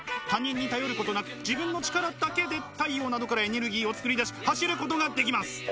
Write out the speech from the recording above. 他人に頼ることなく自分の力だけで太陽などからエネルギーを作り出し走ることができます。